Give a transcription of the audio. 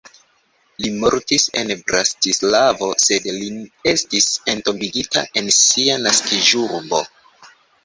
Li mortis en Bratislavo, sed li estis entombigita en sia naskiĝurbo.